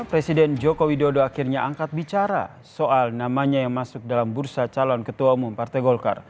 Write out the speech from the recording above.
presiden joko widodo akhirnya angkat bicara soal namanya yang masuk dalam bursa calon ketua umum partai golkar